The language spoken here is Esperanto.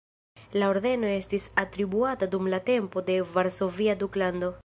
La ordeno estis atribuata dum la tempo de Varsovia Duklando.